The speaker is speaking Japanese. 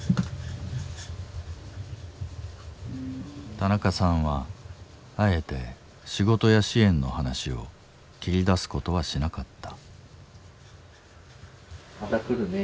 田中さんはあえて仕事や支援の話を切り出すことはしなかった。